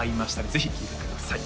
ぜひ聴いてください